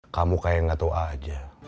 kamu kayak gak tau aja